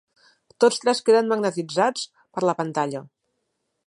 Tots tres queden magnetitzats per la pantalla.